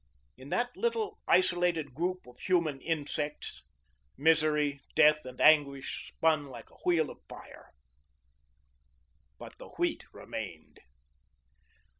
In that little, isolated group of human insects, misery, death, and anguish spun like a wheel of fire. BUT THE WHEAT REMAINED.